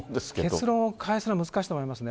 結論を変えるのは難しいと思いますね。